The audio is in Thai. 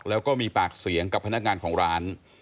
แล้วก็มีปากเสียงกับพนักงานของร้าน